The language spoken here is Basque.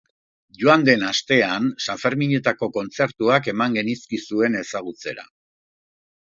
Joan den astean sanferminetako kontzertuak eman genizkizuen ezagutzera.